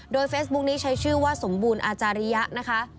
โดยเฟซบุ๊คนี้ใช้ชื่อว่าสมบูรณ์อาจาริยะนะคะ